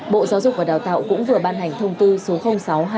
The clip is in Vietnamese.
bộ giáo dục và đào tạo cũng vừa ban hành thông tư số sáu hai nghìn hai mươi hai